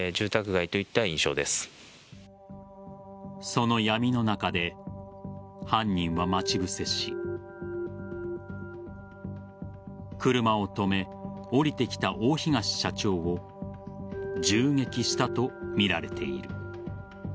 その闇の中で犯人は待ち伏せし車を止め、降りてきた大東社長を銃撃したとみられている。